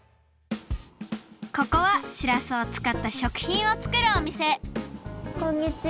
ここはしらすを使ったしょくひんを作るおみせこんにちは！